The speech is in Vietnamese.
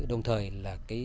đồng thời là